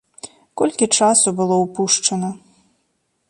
Колькі часу было ўпушчана!